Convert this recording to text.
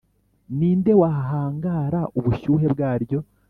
ni nde wahangara ubushyuhe bwaryo?